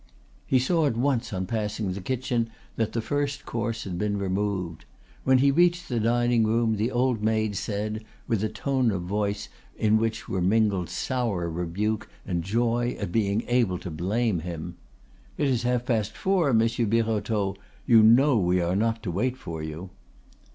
He saw at once on passing the kitchen door that the first course had been removed. When he reached the dining room the old maid said, with a tone of voice in which were mingled sour rebuke and joy at being able to blame him: "It is half past four, Monsieur Birotteau. You know we are not to wait for you."